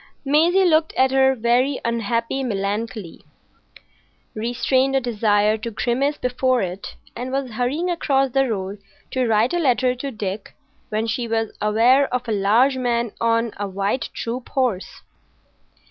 Maisie looked at her very unhappy Melancolia, restrained a desire to grimace before it, and was hurrying across the road to write a letter to Dick, when she was aware of a large man on a white troop horse.